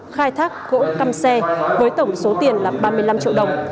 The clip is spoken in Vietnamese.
khai thác gỗ cam xe với tổng số tiền là ba mươi năm triệu đồng